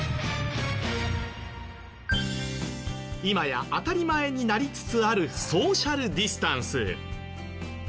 今や当たり前になりつつあるソーシャルディスタンス。